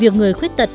việc người khuyết tật